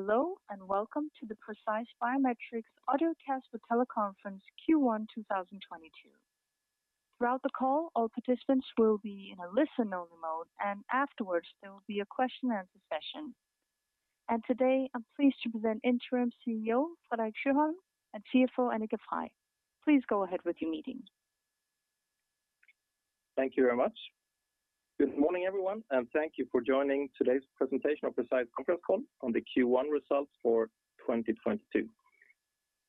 Hello, and welcome to the Precise Biometrics audio cast for teleconference Q1 2022. Throughout the call, all participants will be in a listen-only mode, and afterwards, there will be a question and answer session. Today I'm pleased to present Interim CEO, Fredrik Sjöholm, and CFO Annika Freij. Please go ahead with your meeting. Thank you very much. Good morning, everyone, and thank you for joining today's presentation of Precise conference call on the Q1 results for 2022.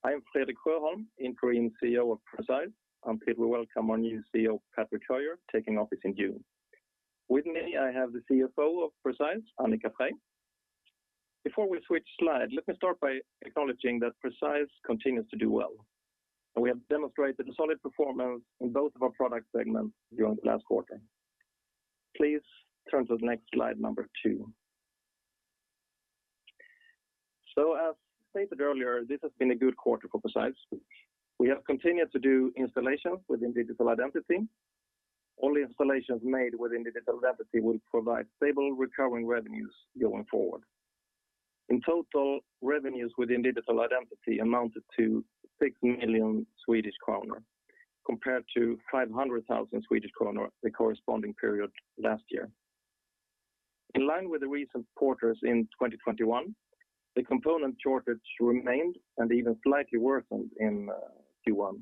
I am Fredrik Sjöholm, Interim CEO of Precise, and please welcome our new CEO, Patrick Höijer, taking office in June. With me, I have the CFO of Precise, Annika Freij. Before we switch slide, let me start by acknowledging that Precise continues to do well, and we have demonstrated a solid performance in both of our product segments during the last quarter. Please turn to the next slide, number two. As stated earlier, this has been a good quarter for Precise. We have continued to do installations within Digital Identity. All installations made within Digital Identity will provide stable recurring revenues going forward. In total, revenues within digital identity amounted to 6 million Swedish kronor, compared to 500 thousand Swedish kronor the corresponding period last year. In line with the recent quarters in 2021, the component shortage remained and even slightly worsened in Q1,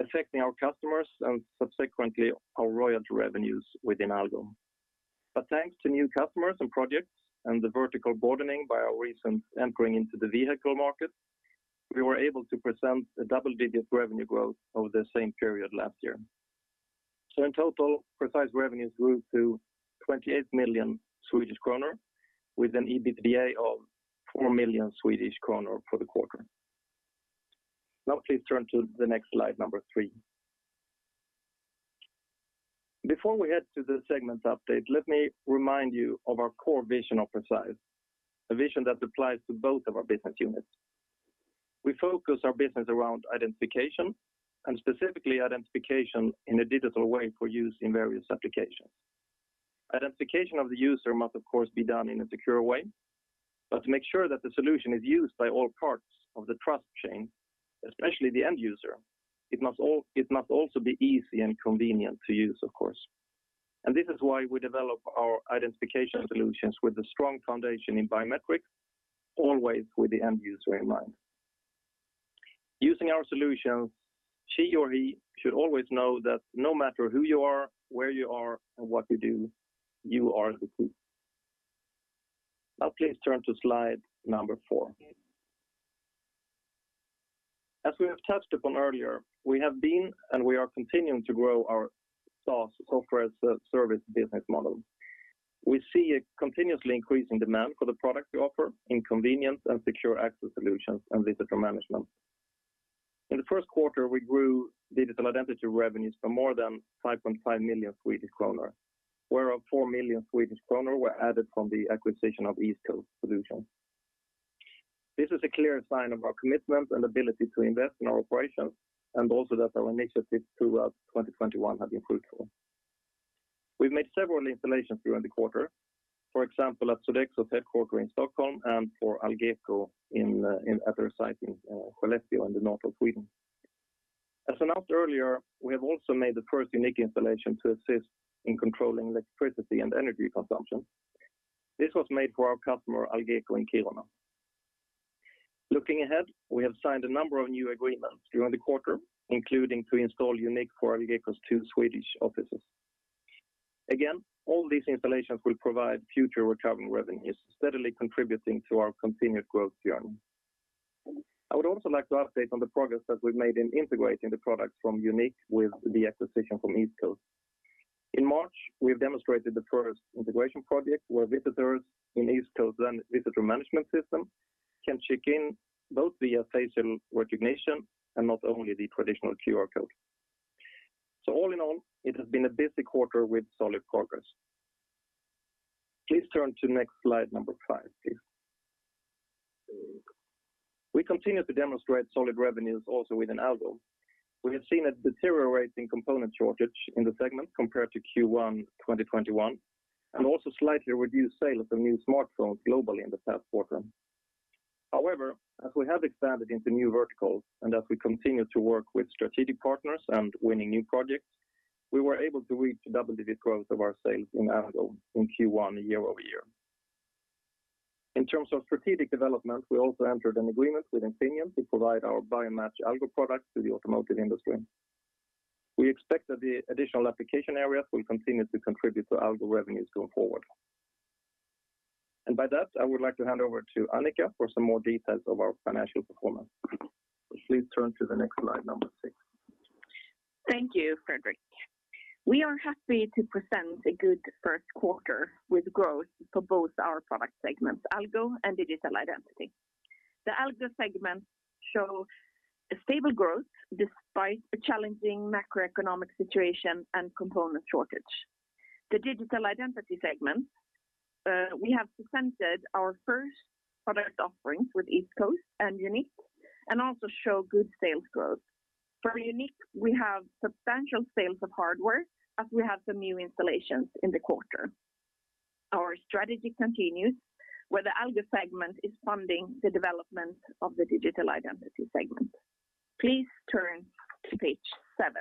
affecting our customers and subsequently our royalty revenues within Algo. Thanks to new customers and projects and the vertical broadening by our recent entering into the vehicle market, we were able to present a double-digit revenue growth over the same period last year. In total, Precise revenues grew to 28 million Swedish kronor with an EBITDA of 4 million Swedish kronor for the quarter. Now please turn to the next slide, number three. Before we head to the segments update, let me remind you of our core vision of Precise, a vision that applies to both of our business units. We focus our business around identification and specifically identification in a digital way for use in various applications. Identification of the user must, of course, be done in a secure way, but to make sure that the solution is used by all parts of the trust chain, especially the end user, it must also be easy and convenient to use, of course. This is why we develop our identification solutions with a strong foundation in biometrics, always with the end user in mind. Using our solutions, she or he should always know that no matter who you are, where you are, and what you do, you are who you are. Now please turn to slide number four. As we have touched upon earlier, we have been and we are continuing to grow our SaaS software as a service business model. We see a continuously increasing demand for the product we offer in convenient and secure access solutions and visitor management. In the Q1, we grew digital identity revenues to more than 5.5 million Swedish kronor, whereof 4 million Swedish kronor were added from the acquisition of EastCoast Solutions. This is a clear sign of our commitment and ability to invest in our operations, and also that our initiatives throughout 2021 have been fruitful. We've made several installations during the quarter, for example, at Sodexo's headquarters in Stockholm and for Algeco at their site in Skellefteå in the north of Sweden. As announced earlier, we have also made the first unique installation to assist in controlling electricity and energy consumption. This was made for our customer, Algeco, in Kiruna. Looking ahead, we have signed a number of new agreements during the quarter, including to install YOUNiQ for Algeco's two Swedish offices. Again, all these installations will provide future recurring revenues, steadily contributing to our continued growth journey. I would also like to update on the progress that we've made in integrating the product from YOUNiQ with the acquisition from EastCoast. In March, we have demonstrated the first integration project where visitors in EastCoast's visitor management system can check in both via facial recognition and not only the traditional QR code. All in all, it has been a busy quarter with solid progress. Please turn to next slide, number five, please. We continue to demonstrate solid revenues also within Algo. We have seen a deteriorating component shortage in the segment compared to Q1 2021, and also slightly reduced sales of the new smartphones globally in the past quarter. However, as we have expanded into new verticals and as we continue to work with strategic partners and winning new projects, we were able to reach double-digit growth of our sales in Algo in Q1 year-over-year. In terms of strategic development, we also entered an agreement with Infineon to provide our Precise BioMatch product to the automotive industry. We expect that the additional application areas will continue to contribute to Algo revenues going forward. By that, I would like to hand over to Annika for some more details of our financial performance. Please turn to the next slide, number six. Thank you, Fredrik. We are happy to present a good first quarter with growth for both our product segments, Algo and Digital Identity. The Algo segment show a stable growth despite a challenging macroeconomic situation and component shortage. The Digital Identity segment, we have presented our first product offerings with EastCoast and YOUNiQ and also show good sales growth. For YOUNiQ, we have substantial sales of hardware as we have some new installations in the quarter. Our strategy continues where the Algo segment is funding the development of the Digital Identity segment. Please turn to page 7.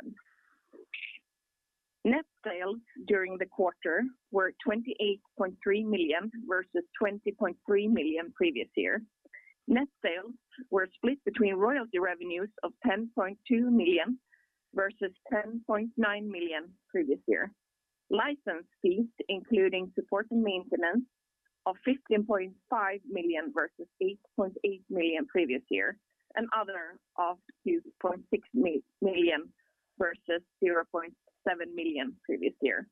Net sales during the quarter were 28.3 million versus 20.3 million previous year. Net sales were split between royalty revenues of 10.2 million versus 10.9 million previous year. License fees, including support and maintenance of 15.5 million versus 8.8 million previous year, and other of 2.6 million versus 0.7 million previous year.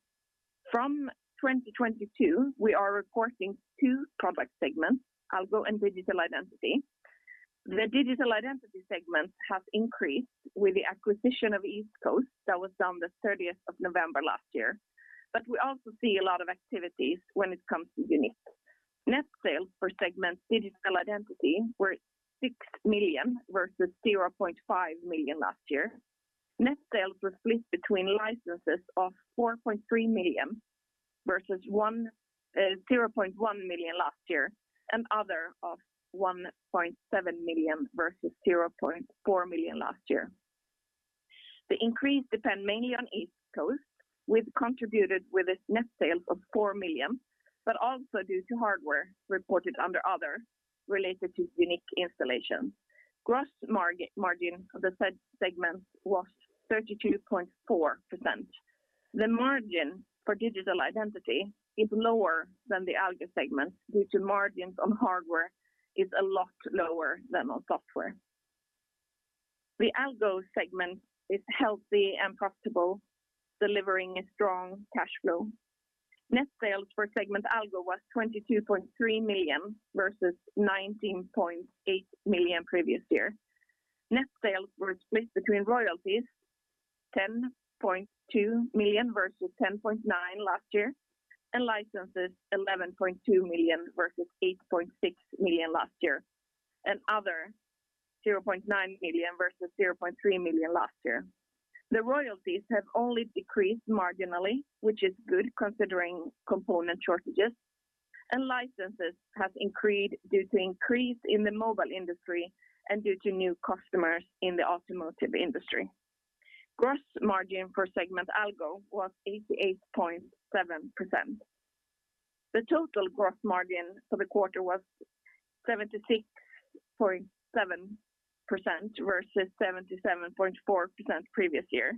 From 2022, we are reporting two product segments, Algo and Digital Identity. The Digital Identity segments have increased with the acquisition of EastCoast that was done the thirtieth of November last year. We also see a lot of activities when it comes to YOUNiQ. Net sales for segment Digital Identity were 6 million versus 0.5 million last year. Net sales were split between licenses of 4.3 million versus zero point one million last year, and other of 1.7 million versus 0.4 million last year. The increase depend mainly on EastCoast, which contributed with its net sales of 4 million, but also due to hardware reported under other related to YOUNiQ installation. Gross margin of the said segment was 32.4%. The margin for Digital Identity is lower than the Algo segment, due to margins on hardware is a lot lower than on software. The Algo segment is healthy and profitable, delivering a strong cash flow. Net sales for segment Algo was 22.3 million versus 19.8 million previous year. Net sales were split between royalties, 10.2 million versus 10.9 million last year, and licenses 11.2 million versus 8.6 million last year, and other 0.9 million versus 0.3 million last year. The royalties have only decreased marginally, which is good considering component shortages. Licenses have increased due to increase in the mobile industry and due to new customers in the automotive industry. Gross margin for segment Algo was 88.7%. The total gross margin for the quarter was 76.7% versus 77.4% previous year.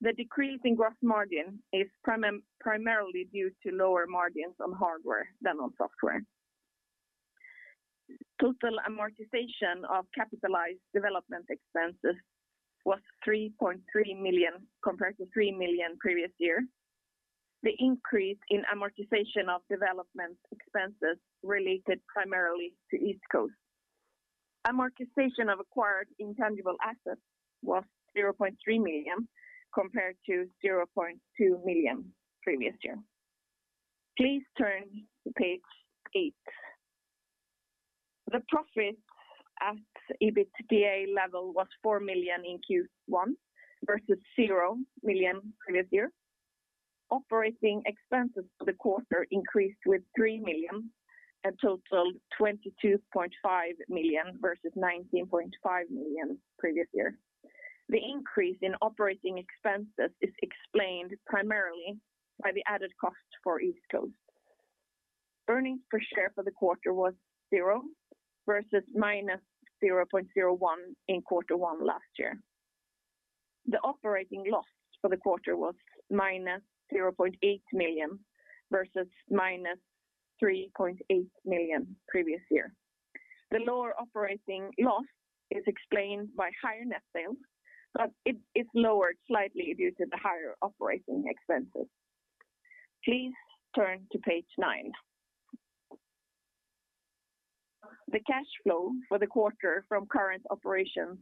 The decrease in gross margin is primarily due to lower margins on hardware than on software. Total amortization of capitalized development expenses was 3.3 million compared to 3 million previous year. The increase in amortization of development expenses related primarily to EastCoast. Amortization of acquired intangible assets was 0.3 million compared to 0.2 million previous year. Please turn to page eight. The profit at EBITDA level was 4 million in Q1 versus 0 million previous year. Operating expenses for the quarter increased by 3 million, a total 22.5 million versus 19.5 million previous year. The increase in operating expenses is explained primarily by the added cost for EastCoast. Earnings per share for the quarter was 0 versus -0.01 in quarter one last year. The operating loss for the quarter was -0.8 million versus -3.8 million previous year. The lower operating loss is explained by higher net sales, but it is lowered slightly due to the higher operating expenses. Please turn to page nine. The cash flow for the quarter from current operations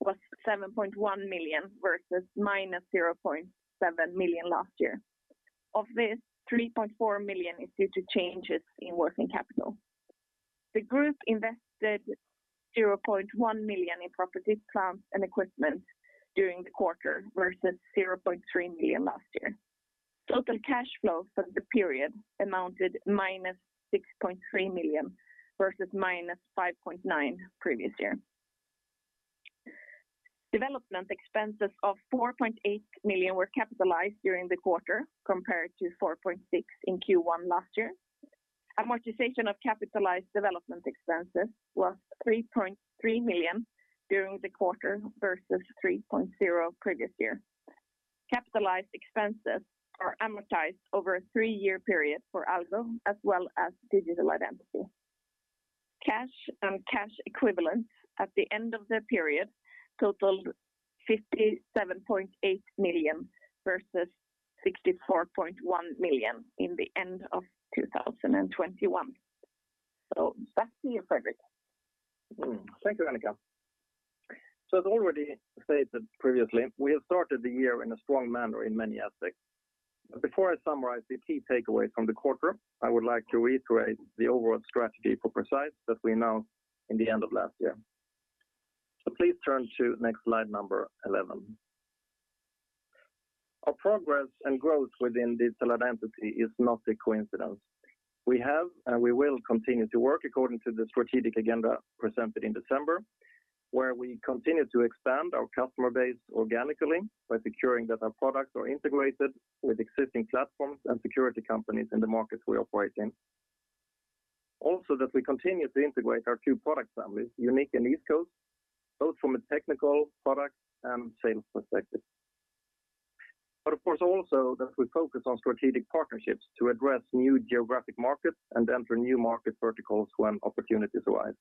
was 7.1 million versus -0.7 million last year. Of this, 3.4 million is due to changes in working capital. The group invested 0.1 million in property, plant, and equipment during the quarter versus 0.3 million last year. Total cash flow for the period amounted to -6.3 million versus -5.9 million previous year. Development expenses of 4.8 million were capitalized during the quarter, compared to 4.6 million in Q1 last year. Amortization of capitalized development expenses was 3.3 million during the quarter versus 3.0 million previous year. Capitalized expenses are amortized over a 3-year period for Algo as well as Digital Identity. Cash and cash equivalents at the end of the period totaled 57.8 million versus 64.1 million at the end of 2021. Back to you, Fredrik. Thank you, Annika. As already stated previously, we have started the year in a strong manner in many aspects. Before I summarize the key takeaways from the quarter, I would like to reiterate the overall strategy for Precise that we announced in the end of last year. Please turn to next slide number 11. Our progress and growth within digital identity is not a coincidence. We have, and we will continue to work according to the strategic agenda presented in December, where we continue to expand our customer base organically by securing that our products are integrated with existing platforms and security companies in the markets we operate in. Also, that we continue to integrate our two product families, YOUNiQ and EastCoast, both from a technical product and sales perspective. Of course, also that we focus on strategic partnerships to address new geographic markets and enter new market verticals when opportunities arise.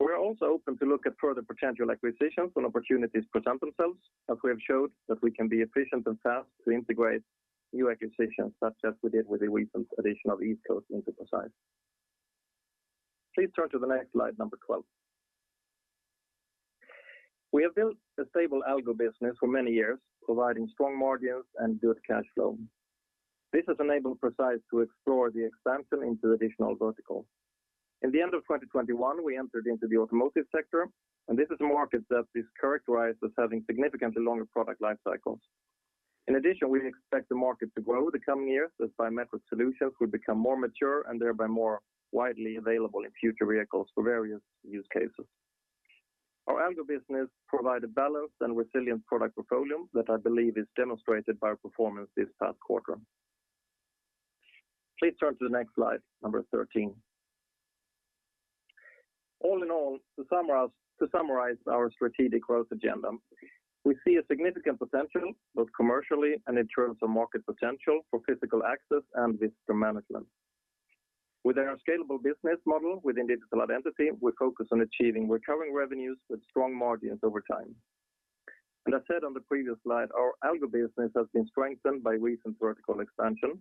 We are also open to look at further potential acquisitions when opportunities present themselves, as we have showed that we can be efficient and fast to integrate new acquisitions, such as we did with the recent addition of EastCoast into Precise. Please turn to the next slide, number 12. We have built a stable Algo business for many years, providing strong margins and good cash flow. This has enabled Precise to explore the expansion into additional verticals. In the end of 2021, we entered into the automotive sector, and this is a market that is characterized as having significantly longer product life cycles. In addition, we expect the market to grow in the coming years as biometric solutions will become more mature and thereby more widely available in future vehicles for various use cases. Our Algo business provide a balanced and resilient product portfolio that I believe is demonstrated by our performance this past quarter. Please turn to the next slide, number 13. All in all, to summarize our strategic growth agenda, we see a significant potential, both commercially and in terms of market potential for physical access and visitor management. With our scalable business model within Digital Identity, we focus on achieving recurring revenues with strong margins over time. I said on the previous slide, our Algo business has been strengthened by recent vertical expansion.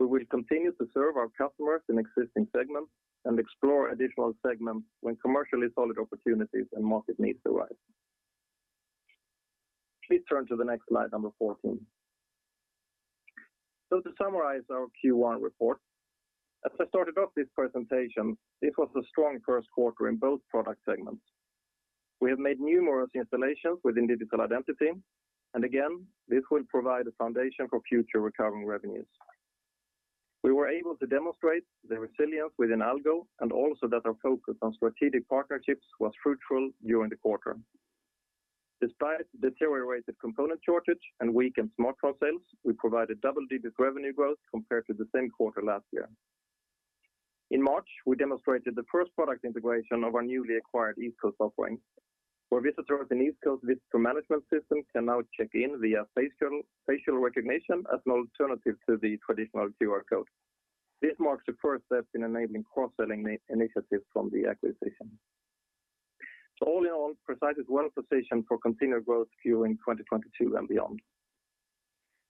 We will continue to serve our customers in existing segments and explore additional segments when commercially solid opportunities and market needs arise. Please turn to the next slide, number 14. To summarize our Q1 report, as I started off this presentation, it was a strong first quarter in both product segments. We have made numerous installations within Digital Identity, and again, this will provide a foundation for future recurring revenues. We were able to demonstrate the resilience within Algo and also that our focus on strategic partnerships was fruitful during the quarter. Despite the deteriorated component shortage and weakened smartphone sales, we provided double-digit revenue growth compared to the same quarter last year. In March, we demonstrated the first product integration of our newly acquired East Coast offering, where visitors in East Coast visitor management system can now check in via facial recognition as an alternative to the traditional QR code. This marks the first step in enabling cross-selling initiatives from the acquisition. All in all, Precise is well-positioned for continued growth during 2022 and beyond.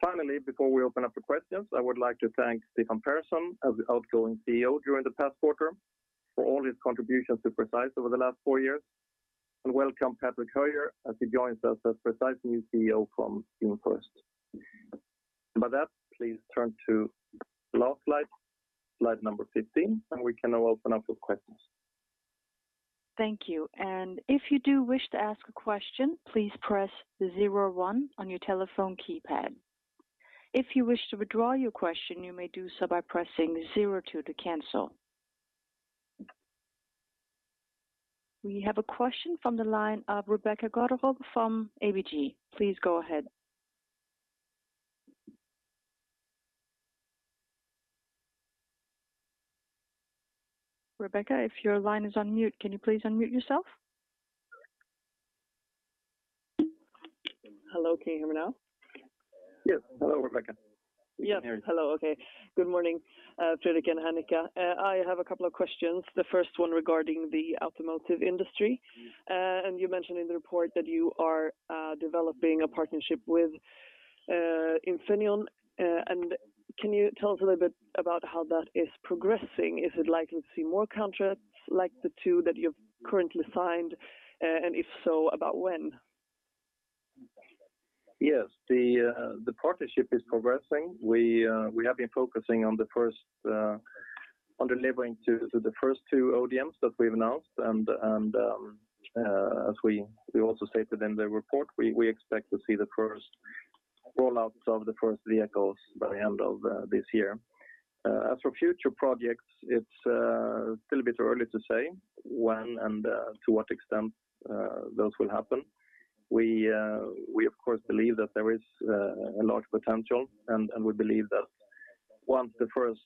Finally, before we open up for questions, I would like to thank Stefan Persson as the outgoing CEO during the past quarter for all his contributions to Precise over the last 4 years, and welcome Patrick Höijer as he joins us as Precise's new CEO from June first. By that, please turn to the last slide number 15, and we can now open up for questions. Thank you. If you do wish to ask a question, please press zero one on your telephone keypad. If you wish to withdraw your question, you may do so by pressing zero two to cancel. We have a question from the line of Rebecca Götherhög from ABG. Please go ahead. Rebecca, if your line is on mute, can you please unmute yourself? Hello. Can you hear me now? Yes. Hello, Rebecca. Good morning, Fredrik Sjöholm and Annika Freij. I have a couple of questions, the first one regarding the automotive industry. You mentioned in the report that you are developing a partnership with Infineon. Can you tell us a little bit about how that is progressing? Is it likely to see more contracts like the two that you've currently signed, and if so, about when? Yes. The partnership is progressing. We have been focusing on delivering to the first two ODMs that we've announced. As we also stated in the report, we expect to see the first rollouts of the first vehicles by the end of this year. As for future projects, it's still a bit early to say when and to what extent those will happen. We of course believe that there is a large potential and we believe that once the first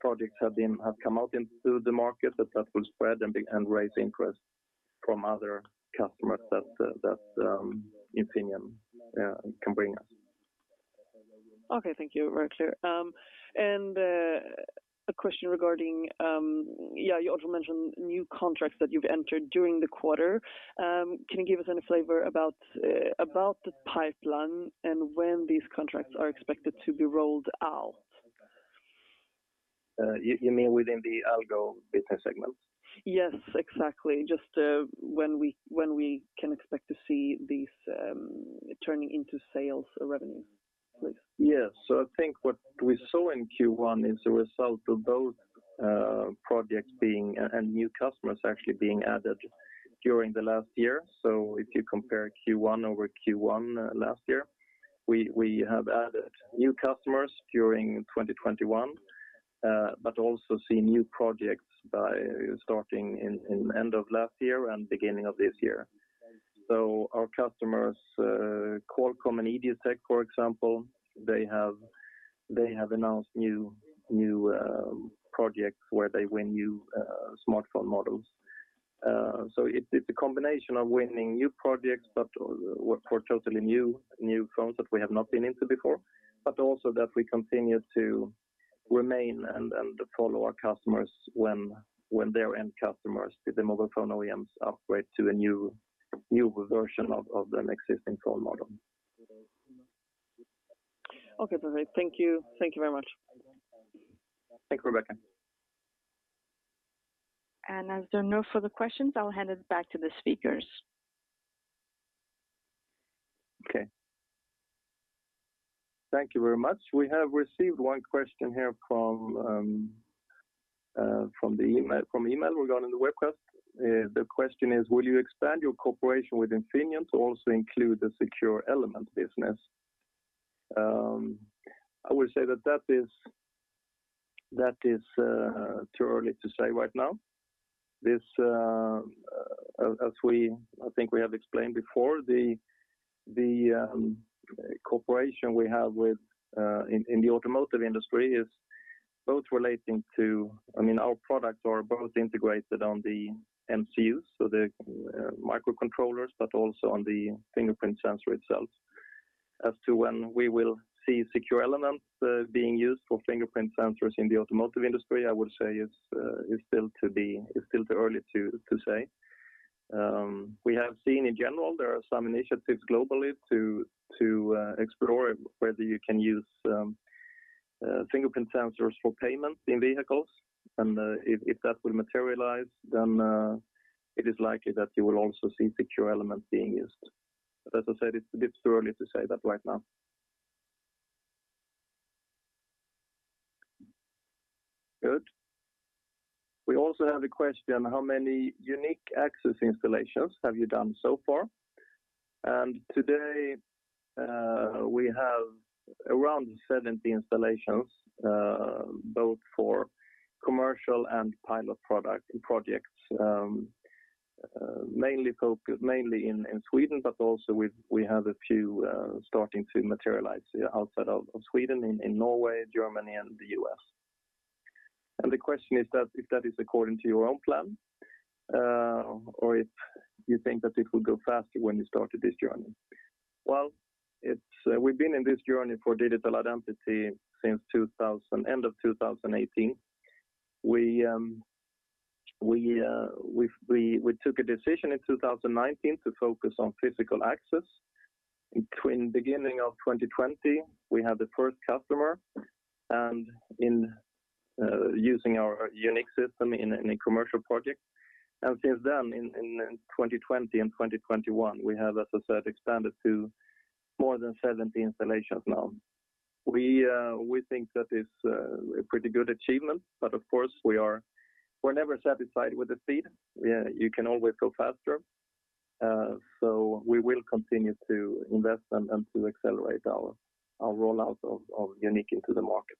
projects have come out into the market, that will spread and raise interest from other customers that Infineon can bring us. Okay. Thank you. Very clear. A question regarding you also mentioned new contracts that you've entered during the quarter. Can you give us any flavor about the pipeline and when these contracts are expected to be rolled out? You mean within the Algo business segment? Yes, exactly. Just, when we can expect to see these turning into sales revenue, please. Yes. I think what we saw in Q1 is a result of both projects and new customers actually being added during the last year. If you compare Q1 over Q1 last year, we have added new customers during 2021, but also see new projects starting in end of last year and beginning of this year. Our customers, Qualcomm and Egis, for example, they have announced new projects where they win new smartphone models. It's a combination of winning new projects, but for totally new phones that we have not been into before, but also that we continue to remain and follow our customers when their end customers, the mobile phone OEMs upgrade to a new version of an existing phone model. Okay, perfect. Thank you. Thank you very much. Thank you, Rebecca. As there are no further questions, I'll hand it back to the speakers. Okay. Thank you very much. We have received one question here from the email regarding the webcast. The question is, will you expand your cooperation with Infineon to also include the secure element business? I would say that is too early to say right now. This, I think we have explained before, the cooperation we have within the automotive industry is both relating to, I mean, our products are both integrated on the MCUs, so the microcontrollers, but also on the fingerprint sensor itself. As to when we will see secure elements being used for fingerprint sensors in the automotive industry, I would say it's still too early to say. We have seen in general there are some initiatives globally to explore whether you can use fingerprint sensors for payment in vehicles. If that will materialize, then it is likely that you will also see secure elements being used. But as I said, it's a bit too early to say that right now. Good. We also have a question, how many YOUNiQ installations have you done so far? Today we have around 70 installations both for commercial and pilot product projects, mainly in Sweden, but also we have a few starting to materialize outside of Sweden, in Norway, Germany and the US. The question is that if that is according to your own plan, or if you think that it will go faster when you started this journey. Well, we've been in this journey for Digital Identity since the end of 2018. We took a decision in 2019 to focus on physical access. In beginning of 2020, we had the first customer using our YOUNiQ system in a commercial project. Since then, in 2020 and 2021, we have as yet expanded to more than 70 installations now. We think that is a pretty good achievement, but of course, we're never satisfied with the speed. You can always go faster, so we will continue to invest and to accelerate our rollout of YOUNiQ into the market.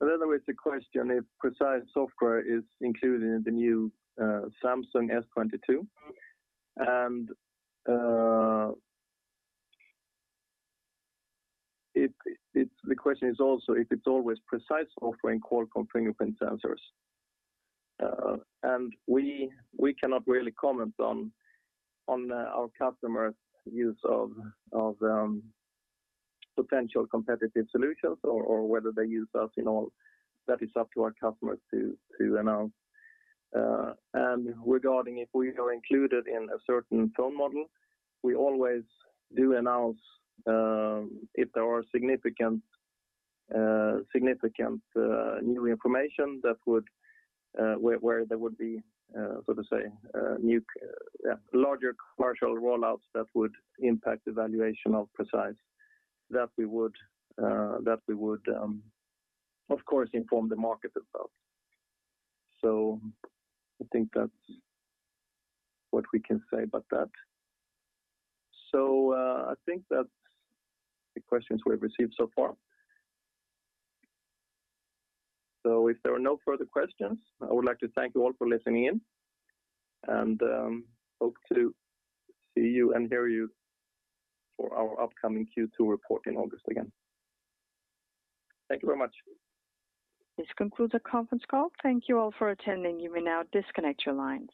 Another is the question if Precise software is included in the new Samsung S22. The question is also if it's always Precise offering Qualcomm fingerprint sensors. We cannot really comment on our customers' use of potential competitive solutions or whether they use us at all. That is up to our customers to announce. Regarding if we are included in a certain phone model, we always do announce if there are significant new information that would where there would be so to say new larger commercial rollouts that would impact the valuation of Precise, that we would of course inform the market about. I think that's what we can say about that. I think that's the questions we have received so far. If there are no further questions, I would like to thank you all for listening in and hope to see you and hear you for our upcoming Q2 report in August again. Thank you very much. This concludes our conference call. Thank you all for attending. You may now disconnect your lines.